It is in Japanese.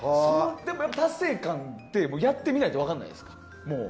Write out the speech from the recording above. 達成感ってやってみないと分からないですか？